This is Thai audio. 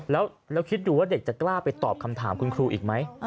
แล้วคิดดูว่าเด็กจะกล้าไปตอบคำถามคุณครูอีกไหม